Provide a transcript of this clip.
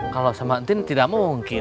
kalau sama tin tidak mungkin